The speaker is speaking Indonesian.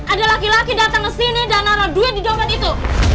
ada laki laki datang kesini dan naro duit di dompet itu